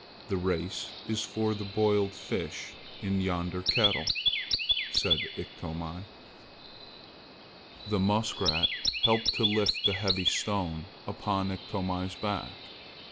The race is for the boiled fish in yonder kettle!" said Iktomi. The muskrat helped to lift the heavy stone upon Iktomi's back.